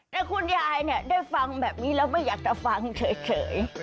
แต่คุณยายได้ฟังแบบนี้แล้วไม่อยากจะฟังเฉย